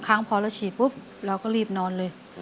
ครั้งพอเราฉีดปุ๊บเราก็รีบนอนเลย